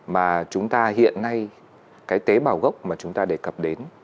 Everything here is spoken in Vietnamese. mà chúng ta hiện nay cái tế bào gốc mà chúng ta đề cập đến